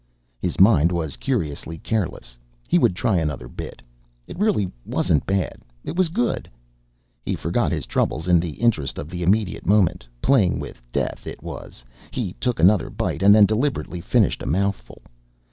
His mind was curiously careless. He would try another bit. It really wasn't bad it was good. He forgot his troubles in the interest of the immediate moment. Playing with death it was. He took another bite, and then deliberately finished a mouthful.